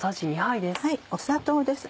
砂糖です